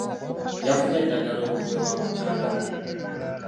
Yafunye eddagala okuva ewa mukyala we.